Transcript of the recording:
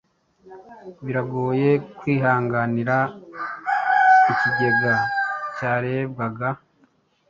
Biragoye kwihanganira ikigega cyarebwaga